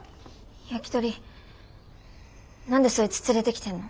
ヤキトリ何でそいつ連れてきてんの？